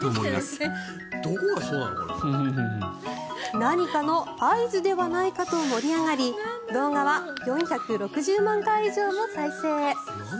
何かの合図ではないかと盛り上がり動画は４６０万回以上も再生。